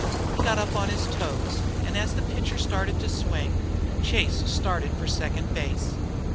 He got up on his toes and as the pitcher started to swing, Chase started for second base.